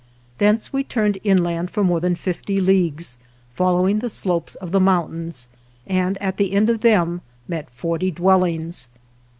Thence we turned inland for more than fifty leagues, following the slopes of the mountains, and at the end of them met forty dwellings.